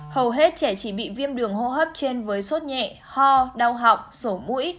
hầu hết trẻ chỉ bị viêm đường hô hấp trên với sốt nhẹ ho đau họng sổ mũi